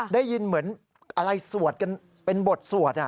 ได้ยินเหมือนอะไรสวดกันเป็นบทสวด